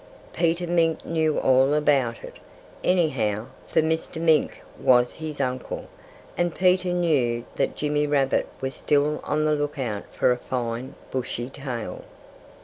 Peter Mink knew all about it, anyhow, for Mr. Mink was his uncle. And Peter knew that Jimmy Rabbit was still on the lookout for a fine, bushy tail.